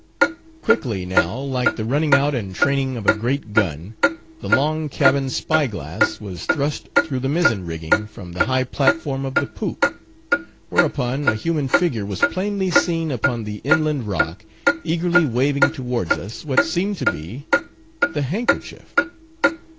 Quickly now—like the running out and training of a great gun—the long cabin spy glass was thrust through the mizzen rigging from the high platform of the poop; whereupon a human figure was plainly seen upon the inland rock, eagerly waving towards us what seemed to be the handkerchief.